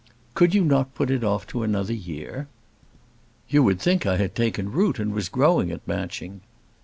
"Could you not put it off to another year?" "You would think I had taken root and was growing at Matching."